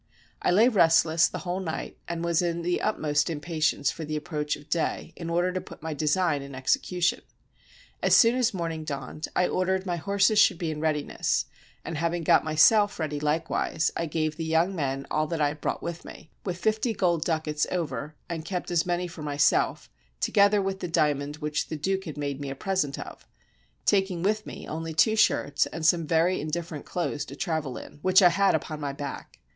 I lay restless the whole night, and was in the utmost im patience for the approach of day, in order to put my design in execution. As soon as morning dawned, I ordered my horses should be in readiness, and having got myself ready likewise, I gave the young men all that I had brought with me, with fifty gold ducats over, and kept as many for myself, together with the diamond which the duke had made me a present of; taking with me only two shirts and some very indifferent clothes to travel in, which I had upon my back.